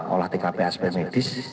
olah tkp aspek medis